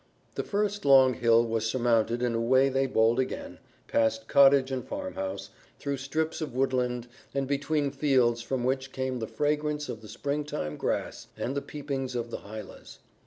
The first long hill was surmounted and away they bowled again, past cottage and farmhouse, through strips of woodland and between fields from which came the fragrance of the springing grass and the peepings of the hylas.